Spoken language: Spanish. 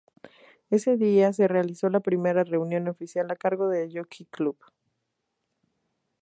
Ese día se realizó la primera reunión oficial a cargo del Jockey Club.